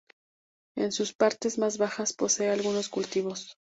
En sus partes más bajas posee algunos cultivos.